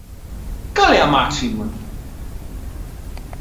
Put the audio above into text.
¿Cal é a máxima?